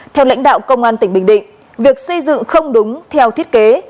theo lãnh đạo công an tỉnh bình định việc xây dựng không đúng theo thiết kế